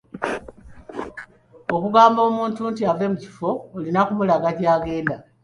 Okugamba omuntu ave mu kifo olina okumulaga gy'agenda.